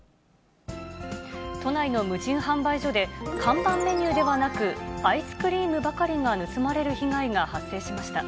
都内の無人販売所で、看板メニューではなく、アイスクリームばかりが盗まれる被害が発生しました。